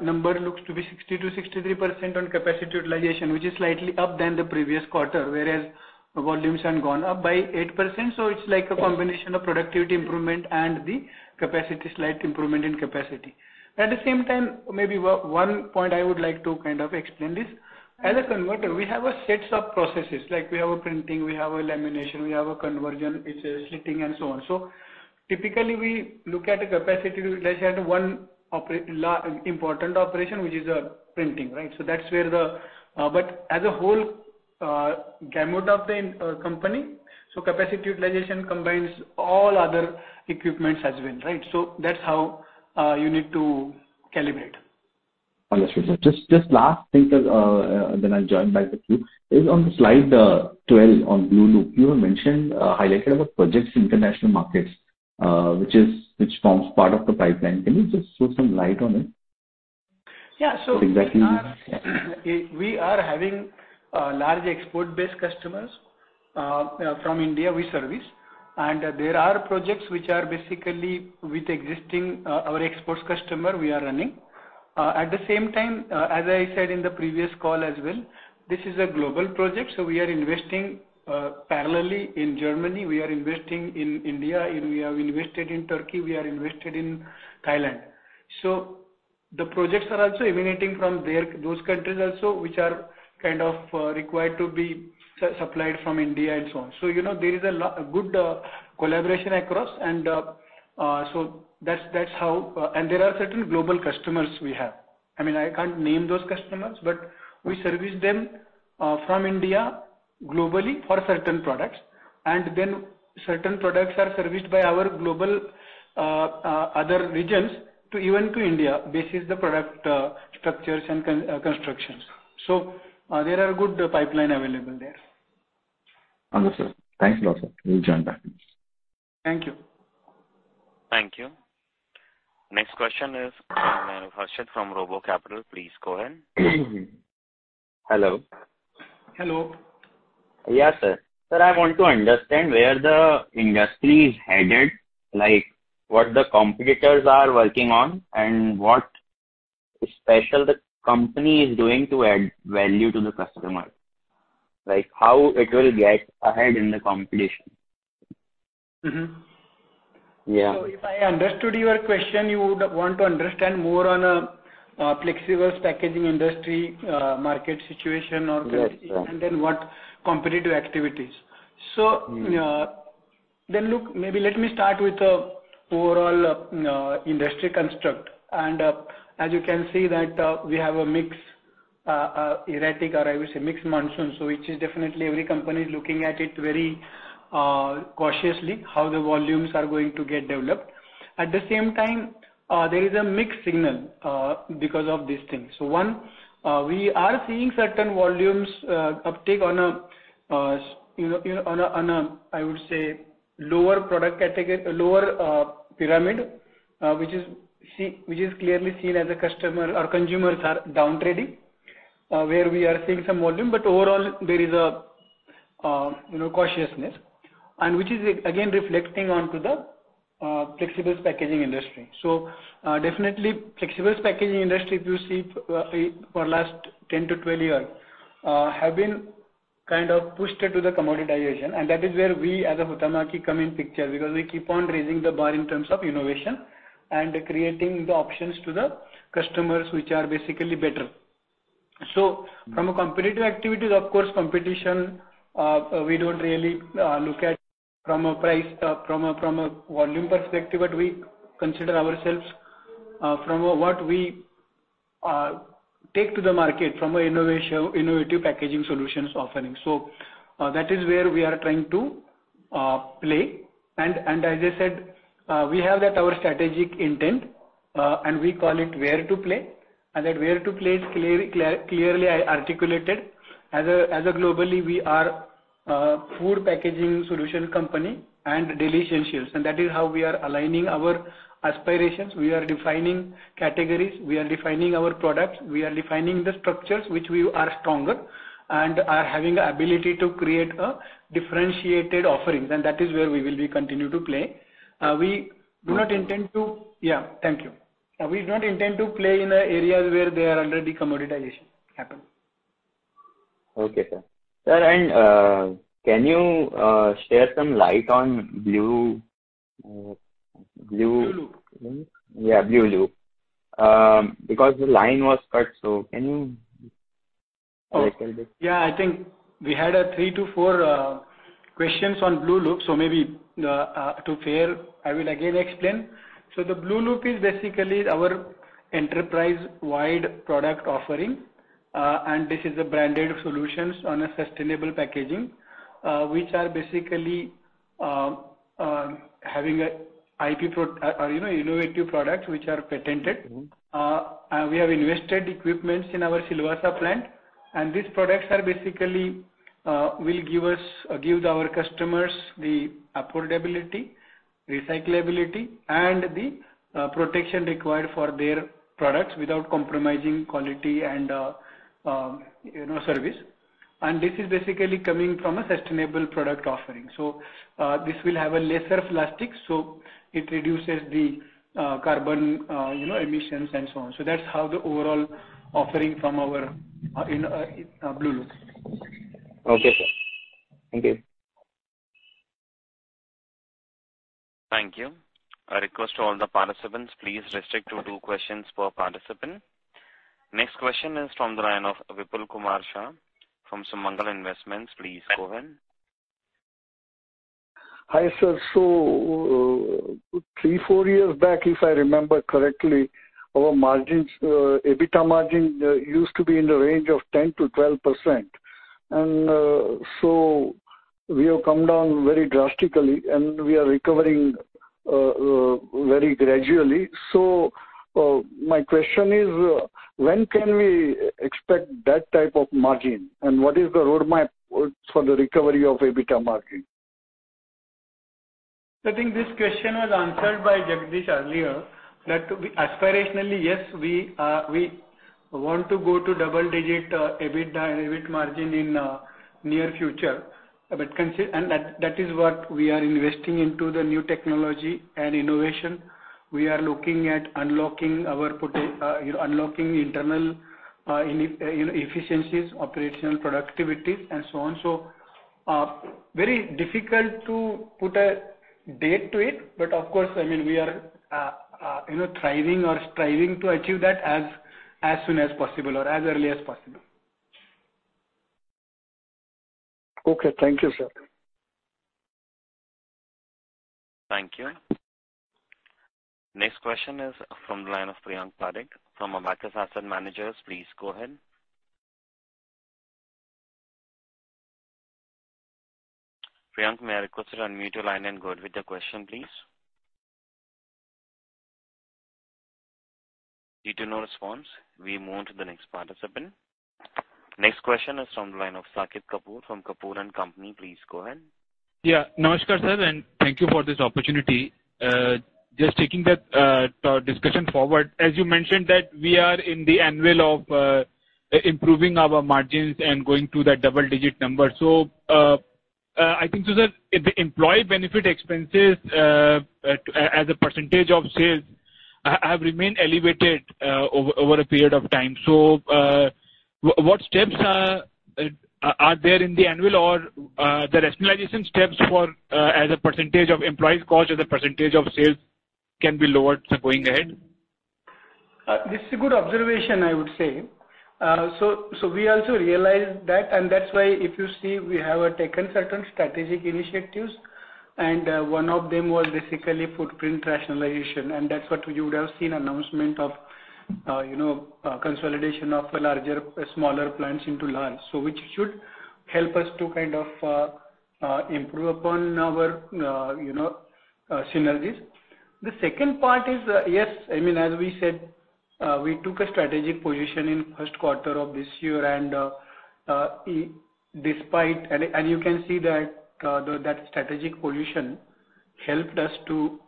C: number looks to be 60%-63% on capacity utilization, which is slightly up than the previous quarter, whereas volumes have gone up by 8%. So it's like a combination of productivity improvement and the capacity, slight improvement in capacity. At the same time, maybe one point I would like to kind of explain this. As a converter, we have a set of processes, like we have a printing, we have a lamination, we have a conversion, which is slitting and so on. So typically, we look at a capacity utilization at one important operation, which is printing, right? So that's where the. But as a whole, gamut of the entire company, so capacity utilization combines all other equipment as well, right? So that's how you need to calibrate.
I: Understood, sir. Just, just last thing, then I'll join back the queue. It's on the slide 12 on blueloop, you have mentioned, highlighted about projects in international markets, which forms part of the pipeline. Can you just throw some light on it?
C: Yeah, so-
I: Exactly.
C: We are having large export-based customers from India we service. There are projects which are basically with existing our export customers we are running. At the same time, as I said in the previous call as well, this is a global project, so we are investing parallelly in Germany, we are investing in India, and we have invested in Turkey, we are invested in Thailand. So the projects are also emanating from there, those countries also, which are kind of required to be supplied from India and so on. So, you know, there is a lot of good collaboration across, and so that's how. There are certain global customers we have. I mean, I can't name those customers, but we service them from India globally for certain products, and then certain products are serviced by our global other regions to even to India. This is the product structures and constructions. So, there are good pipeline available there.
I: Understood. Thanks a lot, sir. We'll join back.
C: Thank you.
A: Thank you. Next question is Harshad from RoboCapital. Please go ahead.
J: Hello.
C: Hello.
J: Yeah, sir. Sir, I want to understand where the industry is headed, like what the competitors are working on, and what special the company is doing to add value to the customer? Like, how it will get ahead in the competition?
C: Mm-hmm.
J: Yeah.
C: So if I understood your question, you would want to understand more on, flexible packaging industry, market situation or-
J: Yes, sir.
C: And then what competitive activities? So, then look, maybe let me start with the overall industry construct. As you can see that, we have a mix, erratic or I would say mixed monsoon, so which is definitely every company is looking at it very cautiously, how the volumes are going to get developed. At the same time, there is a mixed signal, because of these things. So one, we are seeing certain volumes uptake on a, you know, on a, on a, I would say, lower product lower pyramid, which is which is clearly seen as a customer or consumers are downtrading, where we are seeing some volume. But overall, there is a, you know, cautiousness, and which is again reflecting on to the flexible packaging industry. So, definitely, flexible packaging industry, if you see for, for last 10-12 years, have been kind of pushed to the commoditization, and that is where we as a Huhtamaki come in picture, because we keep on raising the bar in terms of innovation and creating the options to the customers, which are basically better. So from a competitive activities, of course, competition, we don't really, look at from a price, from a, from a volume perspective, but we consider ourselves, from what we, take to the market, from an innovative packaging solutions offering. So, that is where we are trying to, play. And, as I said, we have that our strategic intent, and we call it where to play, and that where to play is clear, clearly articulated. As a global, we are a food packaging solution company and delicatessens, and that is how we are aligning our aspirations. We are defining categories, we are defining our products, we are defining the structures which we are stronger, and are having the ability to create differentiated offerings, and that is where we will be continue to play. We do not intend to Yeah, thank you. We do not intend to play in areas where there are already commoditization happen.
J: Okay, sir. Sir, and can you share some light on blueloop?
C: Blueloop.
J: Yeah, blueloop. Because the line was cut, so can you...?
C: Yeah, I think we had three to four questions on blueloop, so maybe to be fair, I will again explain. So the blueloop is basically our enterprise-wide product offering, and this is a branded solutions on a sustainable packaging, which are basically having an IP, you know, innovative products which are patented. And we have invested equipments in our Silvassa plant, and these products are basically will give us, give our customers the affordability, recyclability, and the protection required for their products without compromising quality and, you know, service. And this is basically coming from a sustainable product offering. So, this will have a lesser plastic, so it reduces the carbon, you know, emissions and so on. So that's how the overall offering from our, in, blueloop.
J: Okay, sir. Thank you.
A: Thank you. I request all the participants, please restrict to two questions per participant. Next question is from the line of Vipul Kumar Shah from Sumangal Investments. Please go ahead.
K: Hi, sir. So, three to four years back, if I remember correctly, our margins, EBITDA margin, used to be in the range of 10%-12%. And, so we have come down very drastically, and we are recovering very gradually. So, my question is, when can we expect that type of margin, and what is the roadmap for the recovery of EBITDA margin?
C: I think this question was answered by Jagdish earlier, that aspirationally, yes, we want to go to double-digit EBITDA, EBIT margin in near future. And that, that is what we are investing into the new technology and innovation. We are looking at unlocking our internal efficiencies, you know, operational productivities, and so on. So, very difficult to put a date to it, but of course, I mean, we are, you know, thriving or striving to achieve that as soon as possible or as early as possible.
K: Okay. Thank you, sir.
A: Thank you. Next question is from the line of Priyank Parakh from Abakkus Asset Manager LLP. Please go ahead. Priyank, may I request you to unmute your line and go ahead with the question, please? Due to no response, we move on to the next participant. Next question is from the line of Saket Kapoor from Kapoor & Co. Please go ahead.
L: Yeah. Namaskar, sir, and thank you for this opportunity. Just taking that discussion forward, as you mentioned that we are in the annual of improving our margins and going to that double-digit number. So, I think, so the employee benefit expenses as a percentage of sales have remained elevated over a period of time. So, what steps are there in the annual or the rationalization steps for as a percentage of employees' cost or the percentage of sales can be lowered going ahead?
C: This is a good observation, I would say. So, so we also realized that, and that's why, if you see, we have taken certain strategic initiatives, and one of them was basically footprint rationalization, and that's what you would have seen announcement of, you know, consolidation of a larger, smaller plants into large. So which should help us to kind of improve upon our, you know, synergies. The second part is, yes, I mean, as we said, we took a strategic position in first quarter of this year, and despite... And you can see that that strategic position helped us to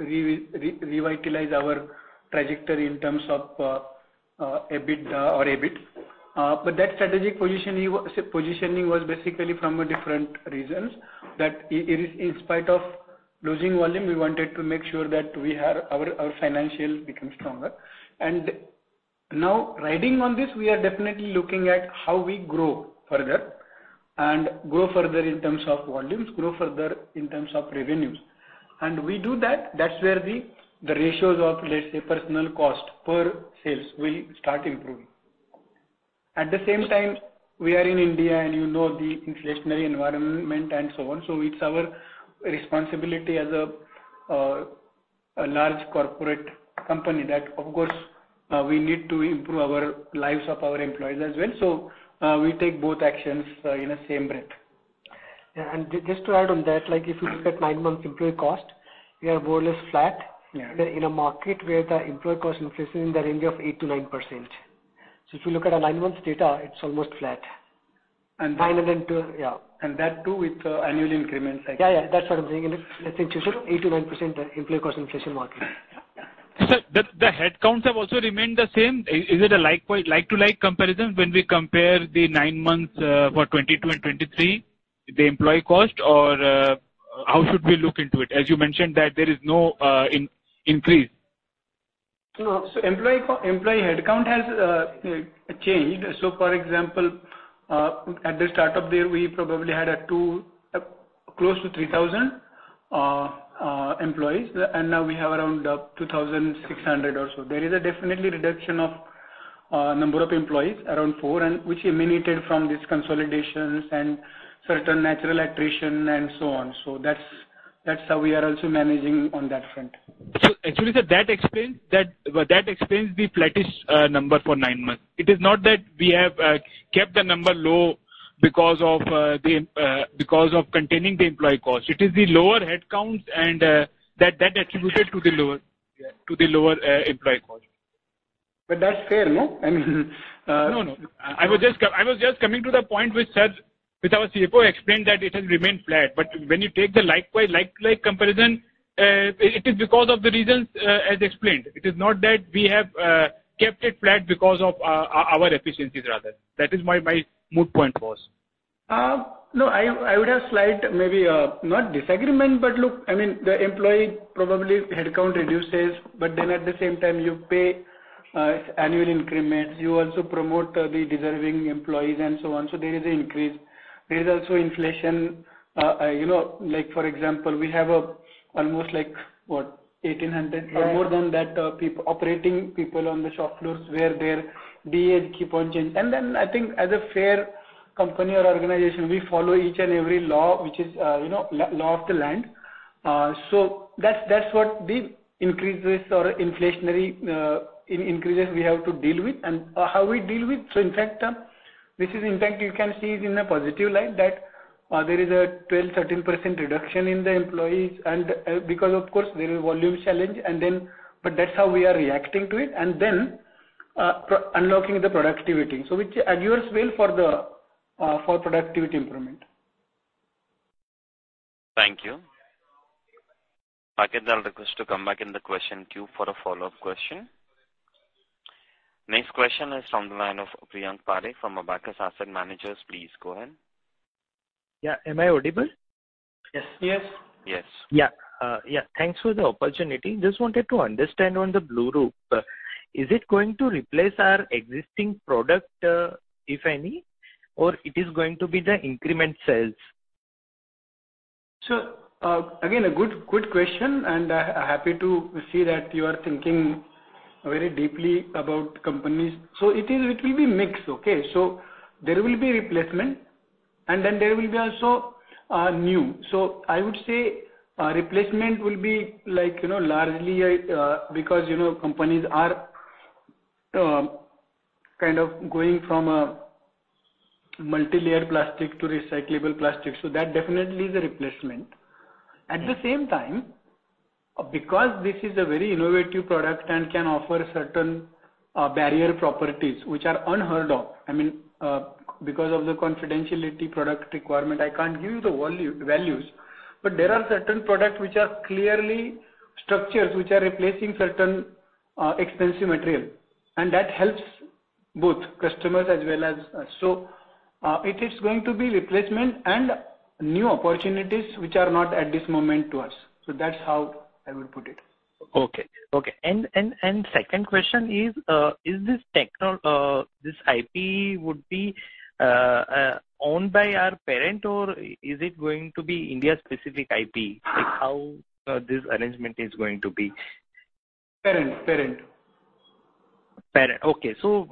C: revitalize our trajectory in terms of EBITDA or EBIT. But that strategic position, positioning was basically from a different reasons, that in spite of losing volume, we wanted to make sure that we have our, our financials become stronger. And now, riding on this, we are definitely looking at how we grow further... and grow further in terms of volumes, grow further in terms of revenues. And we do that, that's where the, the ratios of, let's say, personal cost per sales will start improving. At the same time, we are in India, and you know the inflationary environment and so on. So it's our responsibility as a large corporate company that, of course, we need to improve our lives of our employees as well. So, we take both actions, in the same breath.
D: Yeah, and just to add on that, like, if you look at nine months employee cost, we are more or less flat-
C: Yeah.
D: in a market where the employee cost inflation is in the range of 8%-9%. So if you look at our nine months data, it's almost flat.
C: And-
D: nine and then to-- Yeah.
C: That, too, with annual increments, I think.
D: Yeah, yeah, that's what I'm saying. It's, let's say, 8%-9% employee cost inflation market.
L: Sir, the headcounts have also remained the same. Is it a like-to-like comparison when we compare the nine months for 2022 and 2023, the employee cost? Or how should we look into it, as you mentioned that there is no increase?
C: So, employee headcount has changed. So for example, at the start of the year, we probably had close to 3,000 employees, and now we have around 2,600 or so. There is definitely a reduction of number of employees, around 400, and which emanated from these consolidations and certain natural attrition and so on. So that's how we are also managing on that front.
L: So actually, sir, that explains, that explains the flattest number for nine months. It is not that we have kept the number low because of containing the employee cost. It is the lower headcounts and that attributed to the lower-
C: Yeah.
L: -to the lower employee cost.
C: That's fair, no? I mean,
L: No, no. I was just coming to the point which sir, which our CFO explained that it has remained flat. But when you take the like-for-like comparison, it is because of the reasons as explained. It is not that we have kept it flat because of our efficiencies rather. That is my moot point was.
C: No, I would have slight, maybe, not disagreement, but look, I mean, the employee, probably headcount reduces, but then at the same time, you pay annual increments, you also promote the deserving employees and so on. So there is an increase. There is also inflation, you, like for example, we have almost like, what? 1,800 or more than that, operating people on the shop floors, where their DA keep on changing. And then I think as a fair company or organization, we follow each and every law, which is, you know, law of the land. So that's, that's what the increases or inflationary increases we have to deal with. How we deal with, so in fact, this is in fact, you can see it in a positive light, that there is a 12%-13% reduction in the employees, and because, of course, there is volume challenge, and then but that's how we are reacting to it, and then, unlocking the productivity. So which adheres well for the, for productivity improvement.
A: Thank you. I get the request to come back in the question queue for a follow-up question. Next question is from the line of Priyank Parakh from Abakkus Asset Manager LLP. Please go ahead.
M: Yeah, am I audible?
C: Yes.
D: Yes.
A: Yes.
M: Yeah, yeah. Thanks for the opportunity. Just wanted to understand on the blueloop, is it going to replace our existing product, if any, or it is going to be the increment sales?
C: So, again, a good, good question, and, happy to see that you are thinking very deeply about companies. So it is, it will be mixed, okay? So there will be replacement, and then there will be also, new. So I would say, replacement will be like, you know, largely, because, you know, companies are, kind of going from a multilayer plastic to recyclable plastic. So that definitely is a replacement. At the same time, because this is a very innovative product and can offer certain, barrier properties which are unheard of, I mean, because of the confidentiality product requirement, I can't give you the value, values. But there are certain products which are clearly structures, which are replacing certain, expensive material, and that helps both customers as well as... So it is going to be replacement and new opportunities, which are not at this moment to us. So that's how I would put it.
M: Okay. Second question is, is this techno- is this IP going to be owned by our parent, or is it going to be India-specific IP? Like, how is this arrangement going to be?
C: Parent, parent.
M: Parent. Okay, so,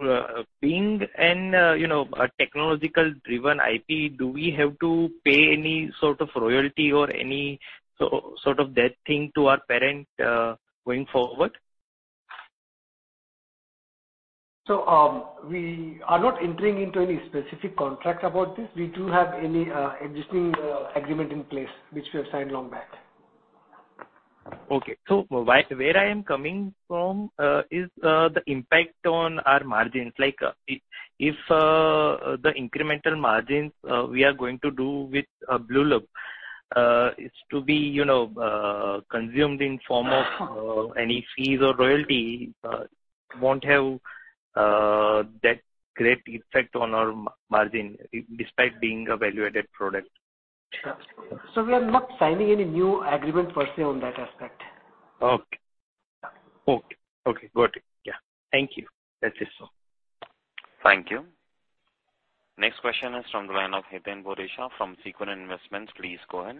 M: being an, you know, a technological-driven IP, do we have to pay any sort of royalty or any sort of that thing to our parent, going forward?
C: We are not entering into any specific contracts about this. We do have any existing agreement in place, which we have signed long back.
M: Okay. So where I am coming from is the impact on our margins. Like, if the incremental margins we are going to do with blueloop is to be, you know, consumed in form of any fees or royalty, won't have that great effect on our margin, despite being a value-added product.
C: Sure. We are not signing any new agreement per se on that aspect.
M: Okay....
A: Okay, okay, got it. Yeah. Thank you. That's it, so. Thank you. Next question is from the line of Hiten Boricha from Sequent Investments. Please go ahead.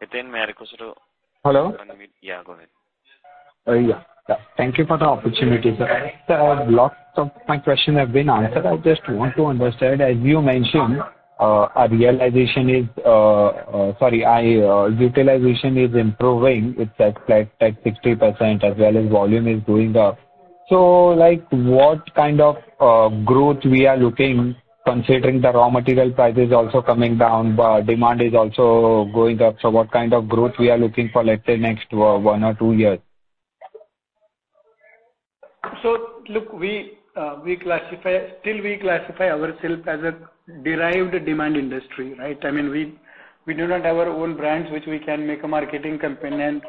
A: Hiten, may I request you to-
N: Hello?
A: Yeah, go ahead.
N: Yeah. Thank you for the opportunity, sir. Sir, lots of my questions have been answered. I just want to understand, as you mentioned, our realization is, sorry, I, utilization is improving. It's at 60%, as well as volume is going up. So, like, what kind of growth we are looking, considering the raw material prices also coming down, but demand is also going up. So what kind of growth we are looking for, let's say, next one or two years?
C: So look, we still classify ourselves as a derived demand industry, right? I mean, we do not have our own brands, which we can make a marketing campaign and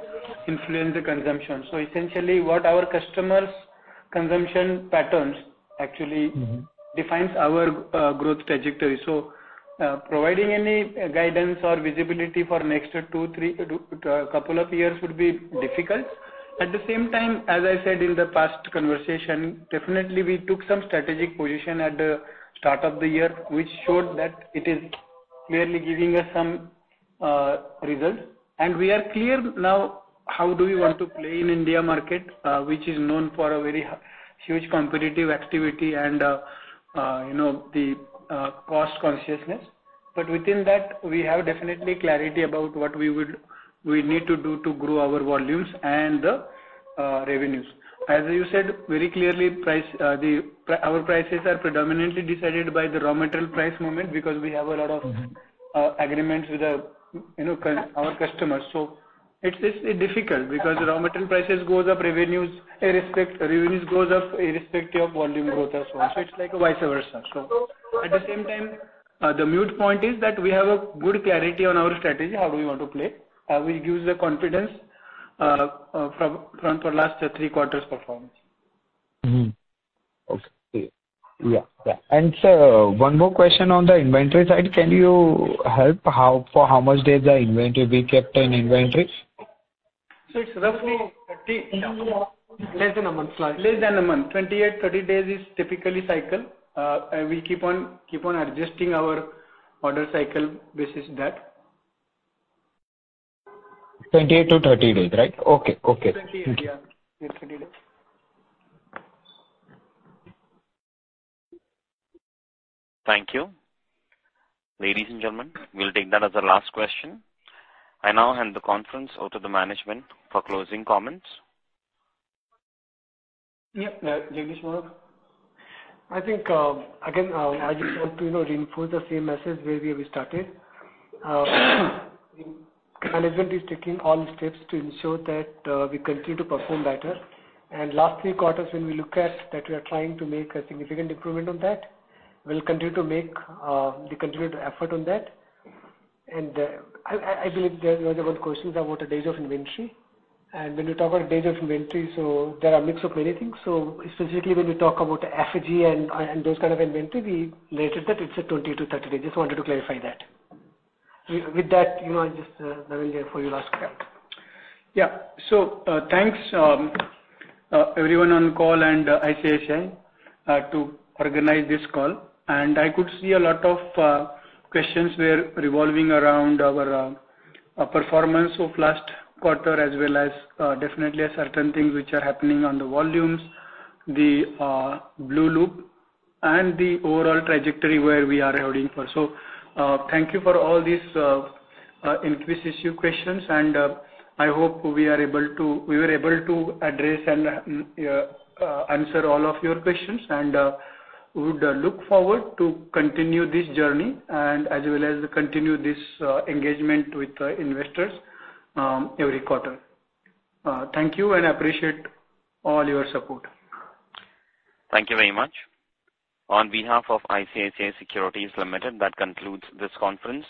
C: influence the consumption. So essentially, what our customers' consumption patterns actually- defines our growth trajectory. So, providing any guidance or visibility for next two, three, two, couple of years would be difficult. At the same time, as I said in the past conversation, definitely we took some strategic position at the start of the year, which showed that it is clearly giving us some results. And we are clear now how do we want to play in India market, which is known for a very huge competitive activity and, you know, the cost consciousness. But within that, we have definitely clarity about what we would-- we need to do to grow our volumes and the revenues. As you said, very clearly, price, the our prices are predominantly decided by the raw material price movement, because we have a lot of- agreements with, you know, our customers. So it's difficult, because raw material prices goes up, revenues, irrespective, revenues goes up, irrespective of volume growth as well. So it's like a vice versa. So at the same time, the moot point is that we have a good clarity on our strategy, how do we want to play, which gives the confidence, from the last three quarters' performance.
N: Okay. Yeah, yeah. And, sir, one more question on the inventory side. Can you help how, for how much days the inventory we kept in inventory?
C: It's roughly 30-Less than a month. Less than a month. 28-30 days is typically cycle, and we keep on, keep on adjusting our order cycle based on that.
N: 28 to 30 days, right? Okay, okay.
C: 28, yeah. Yeah, 30 days.
A: Thank you. Ladies and gentlemen, we'll take that as our last question. I now hand the conference over to the management for closing comments.
C: Yeah, Jagdish Agarwal?
D: I think, again, I just want to, you know, reinforce the same message where we started. Management is taking all steps to ensure that, we continue to perform better. And last three quarters, when we look at that, we are trying to make a significant improvement on that. We'll continue to make, we continue to effort on that. And, I believe there was another question about the days of inventory. And when you talk about days of inventory, so there are a mix of many things. So specifically, when we talk about the FG and, and those kind of inventory, we noted that it's a 20-30 days. Just wanted to clarify that. With, with that, you know, I'll just, now I'll, therefore, you last crack. Yeah.
C: So, thanks, everyone on call and ICICI, to organize this call. And I could see a lot of questions were revolving around our performance of last quarter, as well as definitely certain things which are happening on the volumes, the blueloop, and the overall trajectory where we are heading for. So, thank you for all these inquisitive questions, and I hope we are able to... We were able to address and answer all of your questions, and we would look forward to continue this journey and as well as continue this engagement with the investors, every quarter. Thank you, and I appreciate all your support.
A: Thank you very much. On behalf of ICICI Securities Limited, that concludes this conference.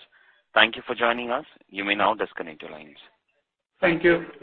A: Thank you for joining us. You may now disconnect your lines.
C: Thank you.